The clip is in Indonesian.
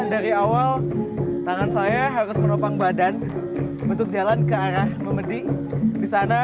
dari awal tangan saya harus menopang badan bentuk jalan ke arah memedi di sana